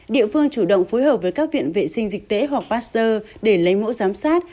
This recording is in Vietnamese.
địa phương chủ động phối hợp với các viện vệ sinh dịch tễ hoặc pasteur để lấy mẫu giám sát